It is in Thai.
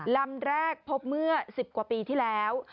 ลำแรกพบเมื่อ๑๐กว่าปีที่แล้ว